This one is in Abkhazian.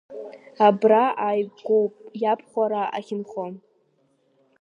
Абра ааигәоуп иабхәараа ахьынхо.